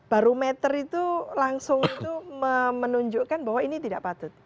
barometer itu langsung itu menunjukkan bahwa ini tidak patut